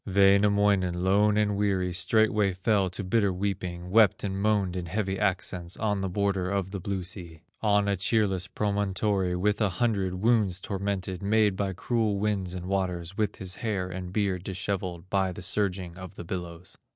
Wainamoinen, lone and weary, Straightway fell to bitter weeping, Wept and moaned in heavy accents, On the border of the blue sea, On a cheerless promontory, With a hundred wounds tormented, Made by cruel winds and waters, With his hair and beard dishevelled By the surging of the billows.